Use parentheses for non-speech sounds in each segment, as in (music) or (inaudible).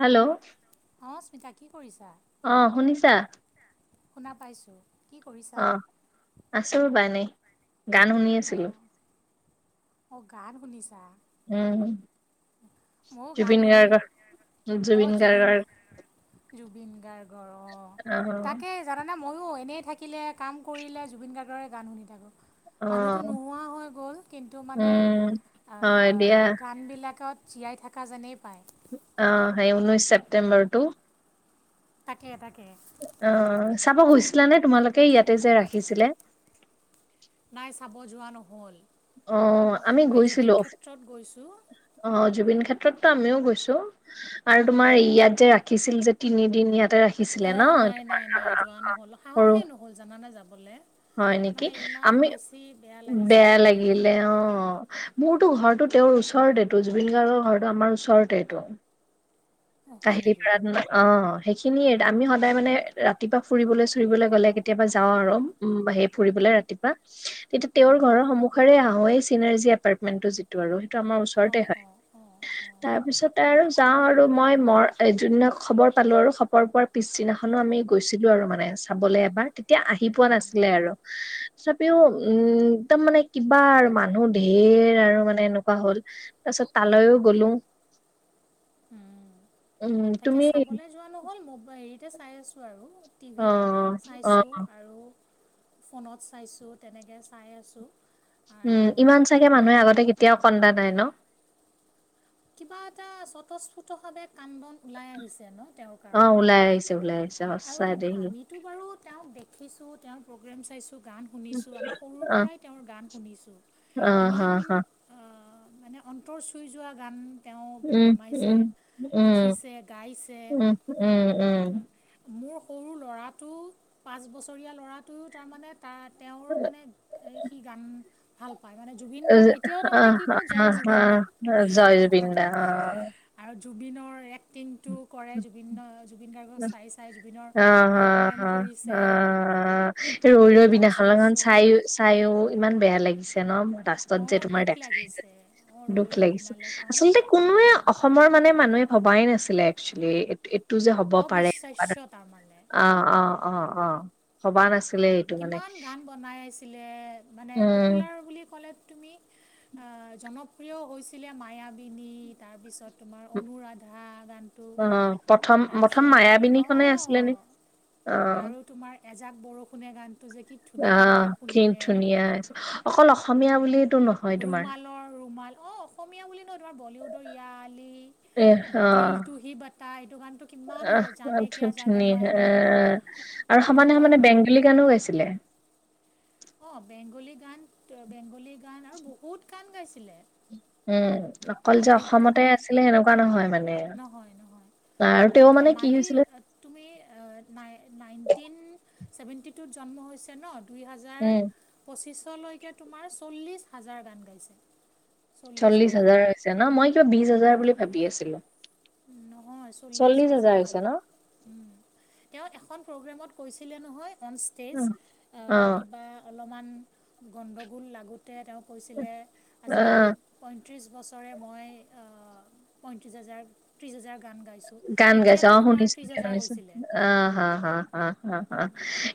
Hello অঁ স্মিতা কি কৰিছা অ শুনিছা শুনা পাইছো আহ আছো ৰ বা এনেই গান শুনি আছিলো অ গান শুনিছা উম জুবিন গাৰ্গ অ জুবিন জুবিন গাৰ্গৰ অ অ তাকে জান মইো এনেই থাকিলে কাম কৰিলে জুবিন গাৰ্গৰে গান শুনি থাকো অ মানু্হ তু নোহোৱা হৈ গল কিন্তু মানে উম আ হয় দিয়া গান বিলাক ত জীয়াই থকা যেনেই পায় অ সেই উঊনৈছ চেপটেম্বৰ টটো তাকে তাকে অ চাব গৈছিলানে তোমালোকে ইয়াতে যে ৰাখিছিলে নাই চাব যোৱা নহল অ আমি এনেই জুবিন গৈছিলো ক্ষেত্ৰত গৈছোঁ অ জুবিন খাট অ তাত টো আমিও গৈছো আৰু তোমাৰ ইয়াত যে ৰাখিছিল যে তিনিদিন ইয়াতে ৰাখি অ নাই নাই নাই যোৱা নহল সৰু সাহসে নহল জানানে যাবলৈ হয় নেকি মানে ইমান আমি বেছি বেয়া লাগিছে। বেয়া লাগিলে অ মোৰতো ঘৰটো তেওঁৰ ওচৰতেতটো জুবিন গাৰ্গৰ ঘৰটো আমাৰ ওচৰতেতটো অ' হয় কাহিলী নেকি? পৰাত টো অ সেইখিনিয়ে আমি সদায় মানে ৰাতিপুৱা ফুৰিবলৈ চুৰিবলৈ গ'লে কেতিয়াবা যাওঁ আৰু। উম সেই ফুৰিবলৈ ৰাতিপুৱা তেতিয়া, কিন্তু তেওঁৰ অঁ ঘৰৰ সন্মুখেৰে আহা হয় এই চিনাৰ্জী এপাৰ্টমেন্টটো যিটো আৰু। টো আমাৰ ওচৰতে অঁ হয়, অঁ অঁ অঁ তাৰপিছতে আৰু (unintelligible) আৰু মই মোৰ এই এয খবৰ পালোঁ আৰু খবৰ পোৱাৰ পিছদিনাখনো আমি গৈছিলো আৰু মানে। চাবলে এবাৰ, তেতিয়া আহি পোৱা নাছিল। আৰু তথাপিও উম, একদম মানে কিবা আৰু মানুহ ঢেৰ আৰু মানে এনেক হ'ল, তাৰপাছত তালৈও গ'লো। (inaudible) উম, উম তাকে তুমি চাবলে যোৱা নহ'ল মই হেৰিতে চাই আছোঁ আৰু। অ টিভিত, অ চাইছোঁ আৰু ফোনত চাইছোঁ তেনেকে চাই আছোঁ। উম, আৰু ইমান চাগে মানুহে আগতে কেতিয়াও কন্দা নাই ন'। কিবা এটা স্বতঃস্ফূতভাৱে কান্দোন ওলাই আহিছে ন' তেওঁৰ অ কাৰণে? ওলাই আহিছে ওলাই আহিছে আৰু, সঁচা দেই আমিতো বাৰু তেওঁক দেখিছো তেওঁৰ প্ৰগ্ৰেম চাইছোঁ গান শুনিছোঁ আমি সৰুৰ অ পৰাই তেওঁৰ গান শুনিছোঁ, অ হ ইমান হ আহ মানে অন্তৰ চুই যোৱা গান। উম, বনাইছে উম, উম, লিখিছে গাইছে উম, উম, উম, মোৰ সৰু ল'ৰাটো, পাঁচ বছৰীয়া ল'ৰাটো তাৰমানে তা তেওঁৰ মানে সি গান, ভাল পায় মানে জুবিন গাৰ্গ এতিয়াও তাৰমানে কি কয় জয় জুবিন দা (unintelligible) জয় জুবিন দা। আৰু জুবিনৰ এক্টিংটো কৰে জুবিন দাৰ জুবিন গাৰ্গৰ। অ', অ, অ, অ, কৰিছে এহ ৰৈ এই ৰৈ ডান্সৰ বিনানেখন চাই শ্ব' চাই অ, ইমান বেয়া লগি চেন মই লাষ্টত যে অঁ তোমাৰ দুখ দেখা যে লাগিছে অঁ ৰৈ দুখ ৰৈ লাগিছে বিনালেখন আচলতে কোনোৱে অস অসমৰ মানে মানুহে ভবাই নাছিলে একচলি এই এইটো যে হ'ব পাৰে এনেকুৱা অবিশ্বাস্য তাৰমানে (unintelligible) অ অ অ অ ভবা নাছ কিমান গান বনাই আছিলে মানে উম পপুলাৰ বুলি ক'লে তুমি জনপ্ৰিয় হৈছিলে মায়াবিনী তাৰপিছত তোমাৰ অনুৰাধা গানটো অ প্ৰথম প্ৰথম তাৰপিছত মায়াবিনী খনে আছিলে অঁ নে অ আৰু তোমাৰ এজাক বৰষ অ কি ধুনীয়া অকল অসমীয়া বুলি ৰুমালৰ ৰুমাল অ অসমীয়া বুলি নহয় তোমাৰ বলিউডৰ ইয়া এ আলি আহ দিলটো সি বতা এইটো গানটো কিমান আহ জানে কিয় ধু- জানে ধুনীয়া মন এ আৰু সেইটো সমানে গান সমানে বেংগলী গানো গাইছিলে অ বেংগলী গান বেংগলী গান আৰু বহুত গান গাইছিলে উম অকল যে বহুত গানে অসমতে গায় আছিলে সেনেকুৱা নহয় মানে নহয় নহয় আৰু তেওঁ মানে কি ধেমালি হৈছিলে তুমি নাই নাইনটিন ছেভেণ্টি টুত জন্ম হৈছে ন দুই হাজাৰ উম পঁচিছলৈকে তোমাৰ চল্লিছ হাজাৰ গান গাইছে চল্লিশ হাজাৰ হৈছে ন মই কিবা বিশ হাজাৰ বুলি ভাবি আছিলো নহয় চল্লিশ হাজাৰ গান গায় উম তেওঁ এখন প্ৰগ্ৰেমত কৈছিলে নহয় অন ষ্টেজ উম, অ কিবা অলপমান গণ্ডগোল লাগোত তে তেওঁ কৈছিলে অ আজি প ত্ৰিছ বছৰে মই পয়ত্ৰিছি হাজাৰ ত্ৰিশ হাজাৰ গান গাইছোঁ গান গাইছে তেতিয়াতে অ তোমাৰ শুনিছ ত্ৰিছ হাজাৰ শুনিছ হৈছিলে অ হা হা হা হা হা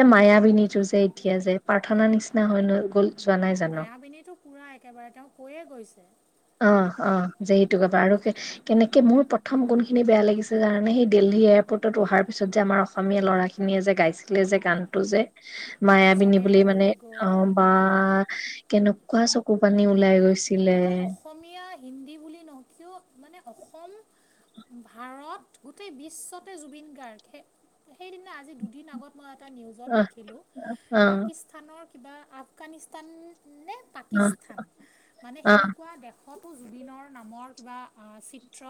এ মায়াবিনি যে এতিয়া যে প্ৰাৰ্থনা নিচিনা হয় ন গ'ল যোৱা নাই জানো মায়াবিনীতো পুৰা একেবাৰে তেওঁ কৈয়ে গৈছে অ' অ' এইটো গাবা আৰু কেনেকে মোৰ প্ৰথম কোনখিনি বেয়া লাগিছে জানানে সেই দ এয়াৰপৰ্টত অহাৰ পিছত যে আমাৰ অসমীয়া ল'ৰা খিনিয়ে যে গাইছিলে যে গানতটো যে মায়াবিনী চবে বুলি মানে দৌৰি গৈ অ' বা অঁ কেনেকুৱা চকু পানী ওলাই গৈ। ছিলে। অকল অসমীয়া হিন্দী বুলি নহও কিয় মানে অসম ভাৰত গোটেই বিশ্বতে জুবিন গাৰ্গে। সেইদিনা আজি দুদিন আগত মই এটা নিউজত অ', দেখিলোঁ অ', পাকিস্তানৰ কিবা আফগানিস্তান নে অ', পাকিস্তান মানে অ', সেনেকুৱােশ জুবিনৰ নামৰ কিবা চিত্ৰ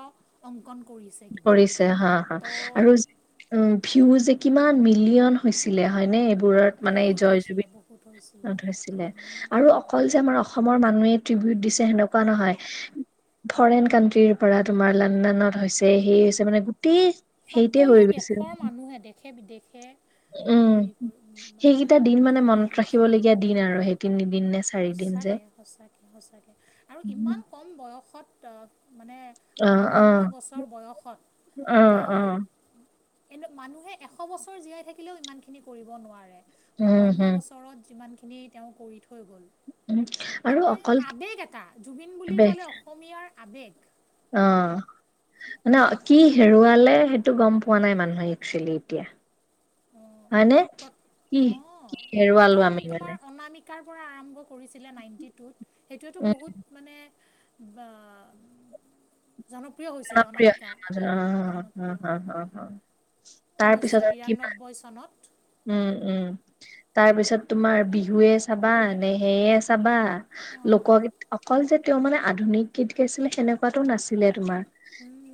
অংকন কৰিছে কিবা ধছে হা হা তো আৰু উ ভিউ যে (inaudible) কিমান মিলিয়ন হৈছিলে হয়নে এই গোৰত মানে বহুত জয় জৱ হৈছিলে বহুত হৈছিলে ধৰিছিলে আৰু অকল যে আমাৰ (inaudible) অসমৰ মানুহে ত্ৰিবিউট দিছে সেনেকুৱা নহয় ফৰেইন কাণ্ট্ৰিৰ পৰা তোমাৰ লণ্ডনত হৈছে সেই হৈছে মানে গোটেই সেইতে হৈ সকলো গৈছিল দেশৰ মানুহে দেশে বিদেশে উম, হেৰি কৰি সেইকেইটা দিন মানে দুখ মনত ৰাখিবলগীয়া দিন আৰু সেই তিনদিন। সচাকে- সচাকে সচাকে আৰু ইমান কম বয়সত অ' মানে অ অ বাৱন্ন বছৰ বয়সত অ তেওঁ অ কিন্তু মানুহে এশ বছৰ জীয়াই থাকিলেও ইমান খিনি কৰিব নোৱাৰে। উম বাৱন্ন হম বছৰত যিমান খিনি তেওঁ কৰি থৈ গ'ল। উম আৰু মানে অকল আবেগ এটা জুবিন বুলি কলে পৰিৱেশ, অসমীয়াৰ আবেগ। অ' মানে কি হেৰুৱালে সেইটো গম পোৱা নাই মানুহে একচুৱেলি এতিয়া। অঁ হয়নে, প্ৰ কি কি হেৰুৱালো আমি মানে। শিকাৰ পৰা আৰম্ভ কৰিছিলে নাইনটি টুত সেইটোৱেতো উম বহুত মানে বা জনপ্ৰিয় হৈছিলে অনামিকা জনপ্ৰিয় (unintelligible) তাৰ পিছত ঊনৈছশ আৰু কিমান বিৰান্নব্বৈ চনত। উম উম, তাৰ পিছত তোমাৰ বিহুৱে চাবা নে সেয়ে চাবা। লোকগীত অকল যে তেওঁ মানে আধুনিক গীত গাইছিলে সেনেকুৱাটো নাছিলে তোমাৰ।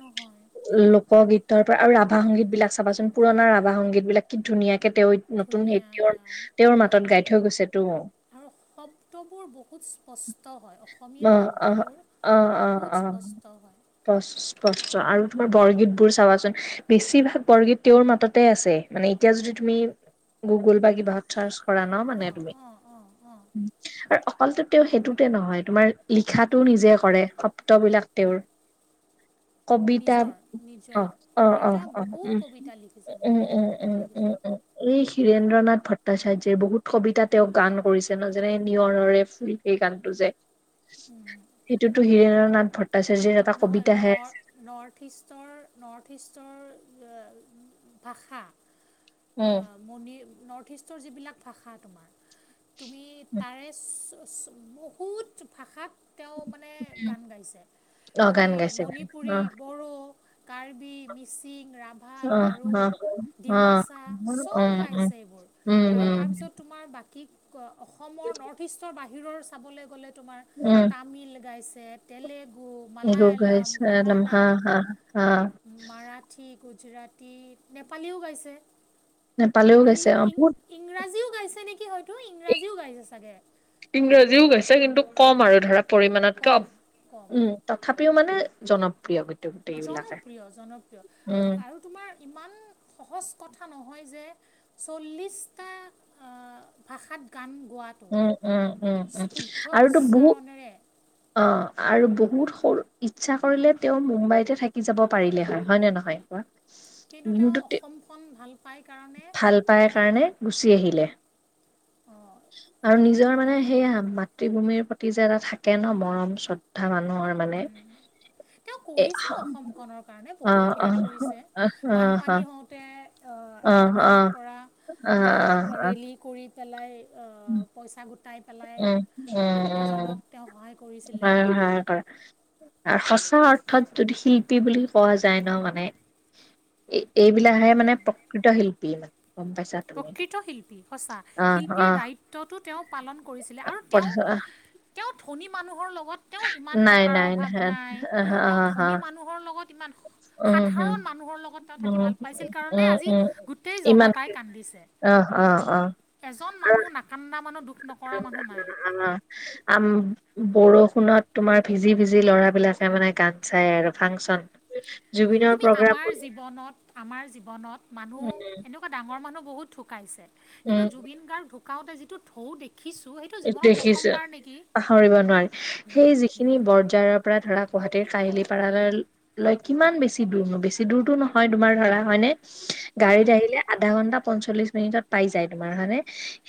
নহয় তাৰ পৰা আৰু ৰাভা সংগীত বিলাক চাবচোন পুৰণা ৰাভা সংগীত বিলাক কি ধুনীয়া তেওঁ নতুন সেই ধুনীয়া তেওঁৰ গায় তেওঁৰ মাতত গাই থৈ গৈছে তো। আৰু শব্দবোৰ বহুত স্পষ্ট হয় অসমীয়া অ শব্দবোৰ অ অ বহুত অ স্পষ্ট। ষ্ট হয়। স্পষ্ট আৰু তোমাৰ বৰগীত বোৰ চাবাচোন বেছিভাগ বৰগীত তেওঁৰ মাততে আছে মানে এতিয়া যদি তুমি গুগল বা কিবাহত চাৰ্চ কৰা ন মানে অঁ তুমি। অঁ অঁ অঁ আৰু অকলটো তেওঁ সেইটোতে নহয় তোমাৰ লিখাটোও নিজে কৰে শব্দবিলাক তেওঁৰ কবিতা নিজৰ, অ নিজৰ অ অ কবিতা অ বহুত উম কবিতা লিখিছে উম বহুত উম কবিতা উম উম লিখিছে। এই হিৰেন ৰেন্দ্ৰনাথ ভট্টাচাৰ্যৰ বহুত কবিতা তেওঁ গান কৰিছে ন যেনে নিয়ৰৰে ফুল সেই গানটো যে। সেইটোতো হীৰেন্দ্ৰ নাথ ভট্টাচাৰ্যৰ এটা নহয় কবিতাহে নৰ নৰ্থ ইষ্টৰ নৰ্থ ইষ্টৰ ভাষা উম মণি নৰ্থ ইষ্টৰ যিবিলাক ভাষা তোমাৰ তুমি তাৰে বহুত ভাষাত তেওঁ মানে উম গান গাইছে অ তুমি গান গাইছে গ অ মণিপুৰী বড়ো কাৰ্বি মিচিং ৰাভা অ গাৰু অ অ ডিমাচা উম চব উম গাইছে এইবোৰ উম আৰু উম তাৰপিছত তোমাৰ বাকী অসমৰ নৰ্থ ইষ্টৰ বাহিৰৰ চাবলৈ গ'লে তোমাৰ তামিল গাইছে তেলেগু ৰ মালায়ালাম গাইল কানাডা হা হা হা মাৰাঠী গুজৰাটী নেপালীও গাইছে নেপালীও গাইছে অ বহুত পাইছে নেকি হয় ইংৰাজীও গাইছে কিন্তু কম আৰু ধৰা পৰিমণতকে অ কম কম উম তথাপিও মানে জনপ্ৰিয় গ জনপ্ৰিয় জনপ্ৰিয় উম, আৰু তোমাৰ ইমান সহজ কথা নহয় যে চল্লিছটা ভাষাত গান গোৱাটো উম উম উম উম শুদ্ধ আৰুতো বহু উচ্চাৰণেৰে অ আৰু বু বহুত সৰু ইচ্ছা কৰিলে তেওঁ মুম্বাইতে থাকি যাব পাৰিলে হয় হয় নে নহয় কোৱা কিন্তু তেওঁ অসমখন ভাল পাই কাৰণে ভাল পাই কাৰণে গুচি আহিলে অঁ আৰু সেইটো নিজৰ মানে কাৰণে সেয়া মাতৃভূমিৰ প্ৰতি যে এটা থাকে ন মৰম শ্ৰদ্ধা মান মানুহৰ মানে তেওঁ এ কৰিছেও অ', অসমখনৰ কাৰণে বহুত অ', খিনি অ', কৰিছে অ', অ', বানপানী হওঁতে আহ অ', মানুহৰ অ', পৰা তেওঁ অ', ৰেলী কৰি পেলাই আহ পইচা গোট উম, উম, উম, তেওঁ সহায় কৰিছিলে হয় হয় কৰা। আহ সঁচা অৰ্থত যদি শিল্পী বুলি কোৱা যায় ন' মানে এ-এইবিলাকহে মানে প্ৰকৃত শিল্পী মানে। গম পাইছা তুমি প্ৰকৃত শিল্পী সঁচা অ অ শিল্পীৰ দায়িত্বটো তেওঁ পালন কৰিছিলে আৰু তেওঁ, তেওঁ ধনী মানুহৰলগত লগত তেওঁ ইমান নাই টকাৰ নাই ন অভাৱ নাই, তেওঁ ধনী মানুহৰ লগত ইমান উম হম সাধাৰণ মানুহৰ লগত তেওঁ থাকি উম ভাল পাইছিল কাৰণে উম আজি, উম গোটেই ইমান জনতাই কান্দিছে, আহ অ অ এজন মানুহ নাকান্দা মানৰ দুখ নকৰা মানুহ নাই (unintelligible) বৰষুণত তোমাৰ ভিজি ভিজি ল'ৰাবিলাকে মানে গান চাই আৰু ফাংচন। জুবিনৰ তুমি প্ৰ'গ্ৰাম আমাৰ বুলি। জীৱনত আমাৰ জীৱনত মানুহ, এনেকুৱা ডাঙৰ মানুহ বহুত ঢুকাইছে, কিন্তু উম জুবিন গাৰ্গ ঢু গাঁউতে যিটো ঢৌ দেখ দেখিছোঁ, পাহৰিব নোৱাৰি সেই যিখিনি বৰজাৰৰ পৰা ধৰা গুৱাহাটী তে কাহিলীপাৰালে লৈ কিমান বেছি দূৰনো বেছি দূৰতো নহয়, তোমাৰ ধৰা হয়নে? গাড়ীত আহিলে আধা ঘন্টা পঞ্চল্লিশ মিনিটত পাই যায়, তোমাৰ হয়নে?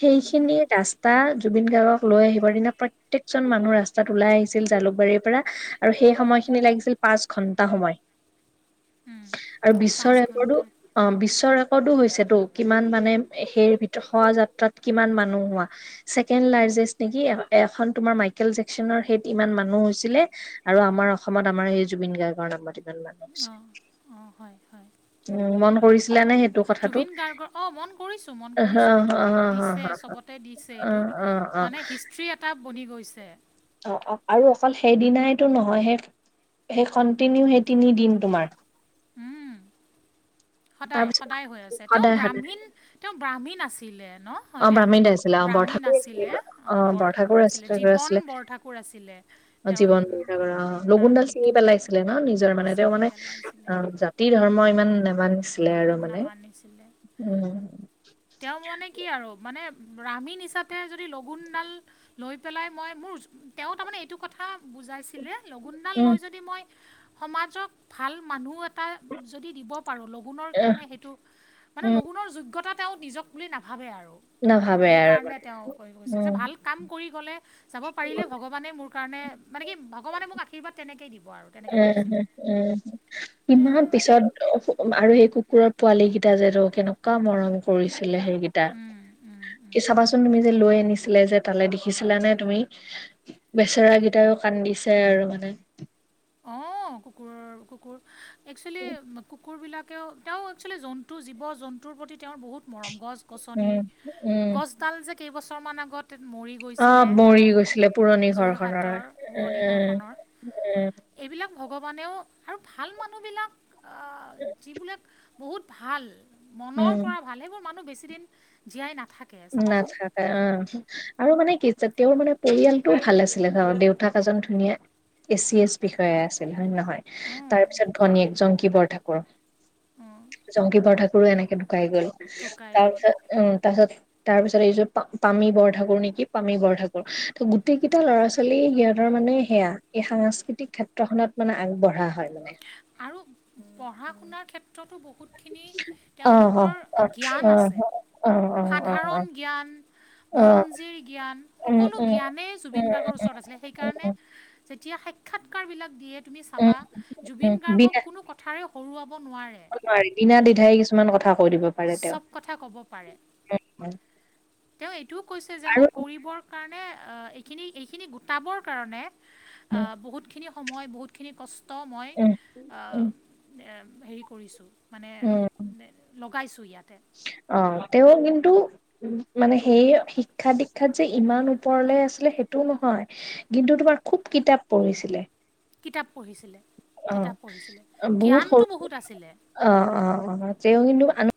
সেইখিনি ৰাস্তা জুবিন গাৰ্গক লৈ আহিবৰ দিনা প্ৰত্যেকজন মানুহ ৰাস্তাত ওলাই আহিছিল জালুকবাৰীৰ পৰা, আৰু সেই সময় খিনি লাগিছিল পাঁচ ঘন্টা সময়। আৰু পাঁচ বিশ্বৰত্নটো ঘণ্টা অ, বিশ্বৰত নটো হৈছেতো কিমান মানে সেইৰ ভিতৰত সভা যাত্ৰাটোত কিমান মানুহ হোৱা। ছেকেণ্ড ল নেকি এখন তোমাৰ মাইকেল জেকচনৰ হেত ইমান মানুহ হৈছিলে আৰু আমাৰ অসমতমাৰ সেই জুবিন গাৰ্গকৰ নাম পাতিব অঁ অঁ হয় হয় উম মন কৰিছে জুবিন গাৰ্গৰ অ মন কৰিছো মন অ হ কৰিছো এইটো অ হ দিছে হ চবতে দিছে অ এইটো অ মানে হিষ্ট্ৰ্ৰী এটা বনি গৈছে। অ-অ আৰু অকল সেইদিনাইটো নহয়হে সেই কন্টিনিউ সেই তিনি দিন তোমাৰ সদায় তাৰপিছত সদায় হৈ আছে তেওঁ সদায় সদায় ব্ৰাহ্মীণ তেওঁ ব্ৰাহ্মীণ আছিলে। ন অ, হয়নে ব্ৰাহ্মিণ আছিলে। অ, ব্ৰাহ্মীণ বৰঠাকুৰ আছিলে আছিল। অ, অঁ, বৰঠাকুৰ আছিলে আ জীৱন আছিলে। বৰঠাকুৰ আছিলে তেওঁৰ জীৱন লগুনডাল চিঙি নামটো পেলাইছিলে ন নিজৰ মানে তেওঁ ছিঙি মানে পেলাইছিলে জ ধৰ্ম ইমান নামানিছিলে আৰু মানে নামানিছিলে উ তেওঁ মানে কি আৰু মানে ৰামীণ হিচাপে যদি লগুণডাল লৈ পেলাই মই মোৰ তেওঁ তাৰমানে এইটো কথা বুজাইছিলে লগুণডাল উম লৈ যদি মই সমাজক ভাল মানুহ এটা য দ পাৰো মানে আহ সেইটো মানে উম লগুণ যোগ্যতা তেওঁ নিজক বুলি নাভাবে আৰু নাভাবে আৰু সেইকাৰণে মানে তেওঁ কৈ গৈছে যে উম ভাল কাম কৰি গ'লে, যাব পাৰিলে উম ভগৱানে মোৰ কাৰণে মানে কি ভগৱানে মোক আশীৰ্বাদ তেনেকে দিব। আৰু তেনেকৈ উম, উম, ভাবিছিলে উম ই মান তেওঁৰ পিছত আৰু সেই কুকুৰৰ পোৱালীকেইটা যিহেতু কেনেকুৱা মৰম কৰিছিলে সেইকেইটা। উম, উম, উম, কি উম। চাবাচোন তুমি যে লৈ আনিছিলে যে তালে। দেখিছিলা নে তুমি বেচৰাগিটাৰ? কান্দিছে আৰু মানে অ', কুকুৰৰ-কুকুৰ একচুৱেলি কুকুৰবিলাক তেওঁ একচুৱেলি জন্তু, জীৱ-জন্তুৰ প্ৰতি তেওঁৰ বহুত মৰম গছ-গছনি, উম উম গছডাল যে কেইবছৰমান আগত মৰি গৈছিলে অ', মৰি তেওঁ গৈছিলে পুৰণি ঘৰখনৰ যোৰহাটৰ পুৰণি ঘৰখনৰ এ উম এইবিলাক ভগৱানেও আৰু ভাল মানুহবিলাক যিবিলাক বহুত ভাল মনৰ উম পৰা ভালেবোৰ মানুহ বেছি দিন জীয়াই না নাথাকে অ'। আৰু মানে কি তেওঁৰ মানে পৰিয়ালটো ভাল আছিলে। ধৰ দেউতাক এজন ধুনীয়া এ চি এছ বিষয়া আছিল হয় নে নহয়? উম, তাৰপিছত ভনীয়েক জংকী বৰঠাকুৰ। উম, জংকী বৰঠাকুৰো এনেকে ঢুকাই গ'ল। ঢুকাই তাৰ গ'ল পিছত উম, তাৰ পিছত তাৰ পিছত এইযোৰ পা পামী বৰঠাকুৰ নেকি পামী বৰঠাকুৰ। তো গোটেই কেইটা ল'ৰা-ছোৱালী সিহঁতৰ মানে সেয়া এই সাংস্কৃতিক ক্ষেত্ৰখনত মানে আগবঢ়া হয়। মানে। আৰু পঢ়া-শুনাৰ ক্ষেত্ৰতো বহু বহুতখিনি অ' অ' তেওঁলোকৰ অ' জ্ঞান অ' আছে। অ' অ' অ' অ সাধাৰণ জ্ঞান অ বুৰঞ্জীৰ জ্ঞান উম সকলো উম জ্ঞানেই জুবিন উম গাৰ্গৰ ওচৰত আছিলে। সেইকাৰণে উম যেতিয়া সা সাক্ষাৎকাৰবিলাক দিয়ে তুমি উম চাবা। জুবিন উম, গাৰ্গক বিনা কোনো কথাৰে হৰুৱাব নোৱাৰে বিনাদিধাই কিছুমান কথা ক চব কথা ক'ব পাৰে। তেওঁ এইটোও কৈছে যে আৰু মই কৰিবৰ কাৰণে এইখিনি এইখিনি গোটাবৰ কাৰণে উম বহুতখিনি সময় বহুতখিনি কচ ষ্ট মই উম উম হেৰি কৰিছোঁ। মানে উম লগাইছোঁ ইয়াতে অ তেওঁ কিন্তু মানে সেই শিক্ষা-দীক্ষাত যে ইমান ওপৰলে আছিলে সেইটোও নহয় হয়। কিন্তু তোমাৰ খুব কিতাপ পঢ়িছিলে। কিতাপ পঢ়িছিলে। অ', কিতাপ পঢ়িছিলে বহুত জ্ঞানটো সৰু। বহুত আছিলে অ', অ', অ', তেওঁ কিন্তু আন